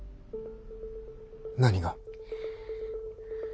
何が？